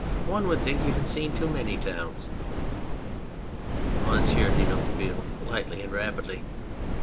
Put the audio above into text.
} One would think you had seen too many towns ! MONSIEUR DE NOIRETABLE (lightly and rapidly).